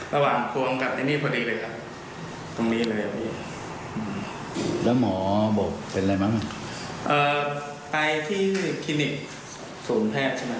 แล้วหมอบอกเป็นอะไรมั้งเอ่อไปที่คลินิกศูนย์แพทย์ใช่มั้ย